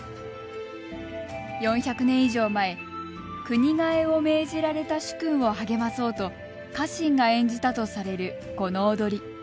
４００年以上前国替えを命じられた主君を励まそうと家臣が演じたとされる、この踊り。